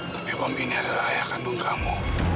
tapi om ini adalah ayah kandung kamu